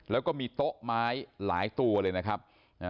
แล้วก็มีโต๊ะไม้หลายตัวเลยนะครับ